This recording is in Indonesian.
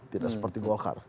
tidak seperti golkar